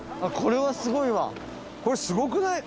これ、すごくない？